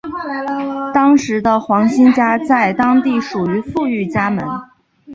当时的黄兴家在当地属于富裕家门。